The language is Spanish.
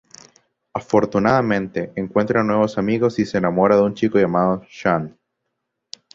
Afortunadamente, encuentra nuevos amigos y se enamora de un chico llamado Sean.